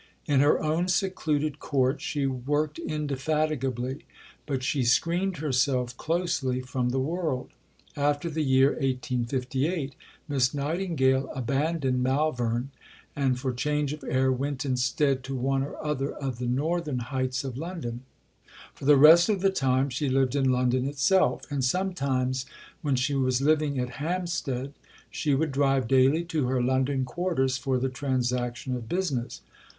In her own secluded court she worked indefatigably, but she screened herself closely from the world. After the year 1858, Miss Nightingale abandoned Malvern, and for change of air went instead to one or other of the Northern Heights of London. For the rest of the time she lived in London itself; and sometimes, when she was living at Hampstead, she would drive daily to her London quarters for the transaction of business.